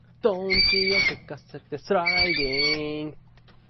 Foulke has good control, as his career strikeout-to-walk ratio reveals.